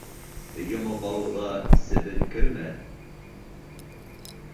Йомоҡ ауыҙға себен кермәҫ.